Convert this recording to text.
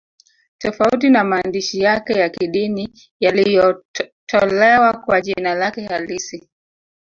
Tofauti na maandishi yake ya kidini yaliyotolewa kwa jina lake halisi